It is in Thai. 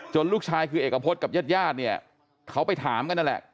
จนลูกชายคือเอกพจน์กับญาติเขาไปถามกันนั่นแหละ